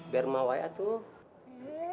biar mau aja tuh